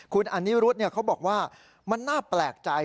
คุณอันนี้รุ๊ดเนี่ยเขาบอกว่ามันน่าแปลกใจ